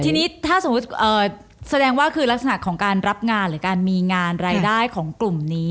ทีนี้ถ้าสมมุติแสดงว่าคือลักษณะของการรับงานหรือการมีงานรายได้ของกลุ่มนี้